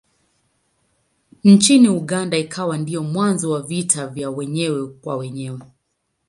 Nchini Uganda ikawa ndiyo mwanzo wa vita vya wenyewe kwa wenyewe.